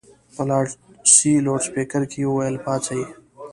په لاسي لوډسپیکر کې یې وویل پاڅئ.